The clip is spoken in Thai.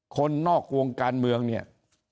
คนนอกวงการเมืองเนี่ย